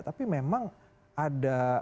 tapi memang ada